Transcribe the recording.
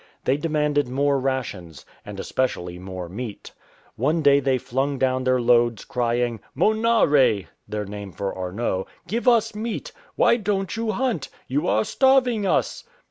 They demanded more rations, and especially more meat. One day they flung down their loads crying, "Monare" (their name for Arnot), " give us meat. Why don't you hunt ? You are starving us.""